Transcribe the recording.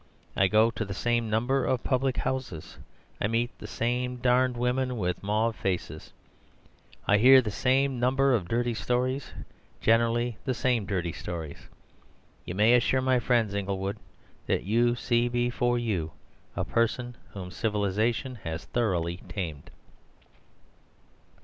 I go to the same number of public houses. I meet the same damned women with mauve faces. I hear the same number of dirty stories— generally the same dirty stories. You may assure my friends, Inglewood, that you see before you a person whom civilization has thoroughly tamed."